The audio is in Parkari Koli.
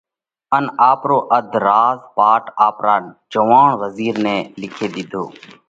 ان آپرو اڌ راز پاٽ آپرا نوجوئوڻ وزِير نئہ لکي ۮِيڌو۔